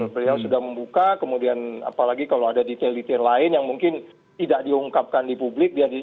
beliau sudah membuka kemudian apalagi kalau ada detail detail lain yang mungkin tidak diungkapkan di publik